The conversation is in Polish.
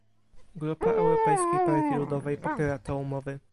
Grupa Europejskiej Partii Ludowej popiera te umowy